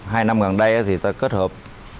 hai năm gần đây thì ta kết hợp